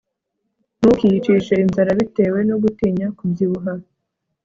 ntukiyicishe inzara bitewe no gutinya kubyibuha